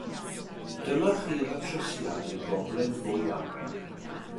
Dyma chi ddatrysiad i broblem go iawn.